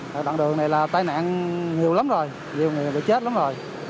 cái đoạn đường này là tai nạn nhiều lắm rồi nhiều người bị chết lắm rồi